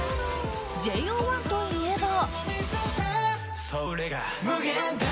ＪＯ１といえば。